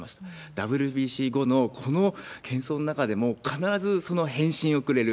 ＷＢＣ後のこのけん騒の中でも、必ずその返信をくれる。